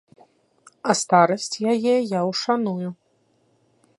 А старасць яе я ўшаную.